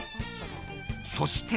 そして。